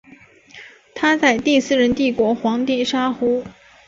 他在第四任帝国皇帝沙胡。